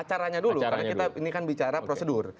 acaranya dulu karena ini kan bicara prosedur